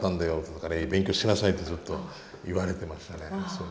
だから勉強しなさい」ってずっと言われてましたね。